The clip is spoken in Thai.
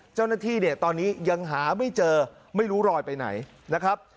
เจ้าหน้าที่เนี่ยตอนนี้ยังหาไม่เจอไม่รู้รอยไปไหนนะครับ